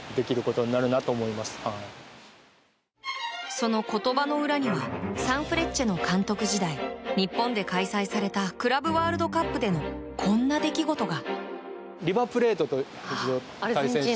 その言葉の裏にはサンフレッチェの監督時代日本で開催されたクラブワールドカップでのこんな出来事が。